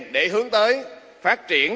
để hướng tới phát triển